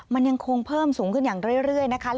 มันยังคงเพิ่มสูงขึ้นอย่างเรื่อยนะคะ